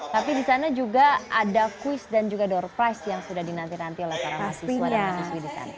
tapi di sana juga ada kuis dan juga door price yang sudah dinanti nanti oleh para mahasiswa dan mahasiswi di sana